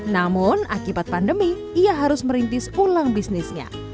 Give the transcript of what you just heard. namun akibat pandemi ia harus merintis ulang bisnisnya